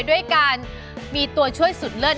ด้วยการมีตัวช่วยสุดเลิศ